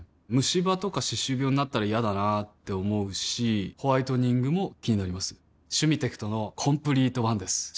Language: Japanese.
ムシ歯とか歯周病になったら嫌だなって思うしホワイトニングも気になります「シュミテクトのコンプリートワン」です